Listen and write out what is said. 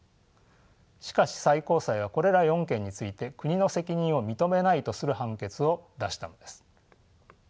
しかし最高裁はこれら４件について国の責任を認めないとする判決を出したのです。